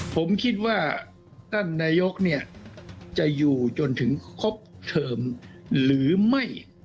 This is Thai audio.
ผมคิดว่าท่านนายกเนี่ยจะอยู่จนถึงครบเทอมหรือไม่